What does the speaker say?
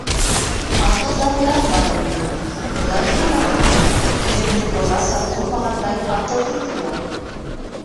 Аҡылдан яҙманым мин, улай ғына ла түгел, үҙемде бығаса булмағандай аҡыллы тоям.